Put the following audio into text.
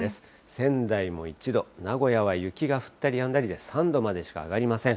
仙台も１度、名古屋は雪が降ったりやんだりで３度までしか上がりません。